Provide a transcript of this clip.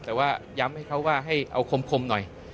แต่ว่าย้ำให้เขาว่าให้เอาคมหน่อย